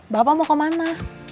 bapak mau kemana